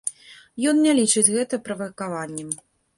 Ён не лічыць гэта правакаваннем.